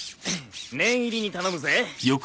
念入りに頼むぜ。